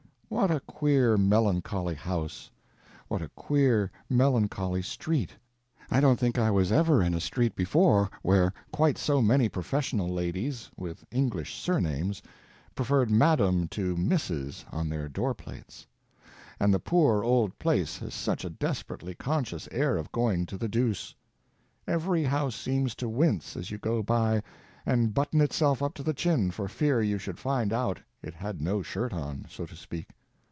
What a queer, melancholy house, what a queer, melancholy street! I don't think I was ever in a street before where quite so many professional ladies, with English surnames, preferred Madam to Mrs. on their door plates. And the poor old place has such a desperately conscious air of going to the deuce. Every house seems to wince as you go by, and button itself up to the chin for fear you should find out it had no shirt on—so to speak.